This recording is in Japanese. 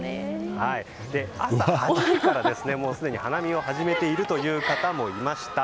朝８時から、すでに花見を始めている方もいました。